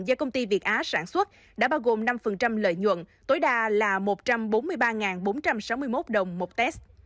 do công ty việt á sản xuất đã bao gồm năm lợi nhuận tối đa là một trăm bốn mươi ba bốn trăm sáu mươi một đồng một test